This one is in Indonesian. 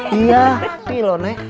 sapi loh nek